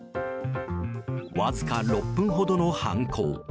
わずか６分ほどの犯行。